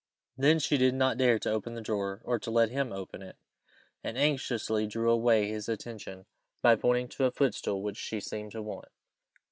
Then she did not dare to open the drawer, or to let him open it, and anxiously drew away his attention by pointing to a footstool which she seemed to want.